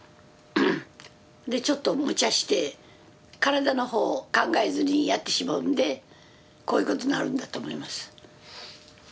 でちょっとむちゃして体の方を考えずにやってしまうんでこういうことになるんだと思います。